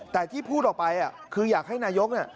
แต่ที่พูดออกไปคืออยากให้นายก